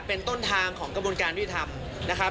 เป็นต้นทางของกระบวนการยุติธรรมนะครับ